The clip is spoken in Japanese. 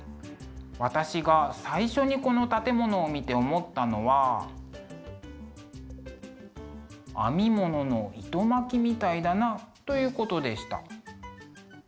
私が最初にこの建物を見て思ったのは編み物の糸巻きみたいだなということでした。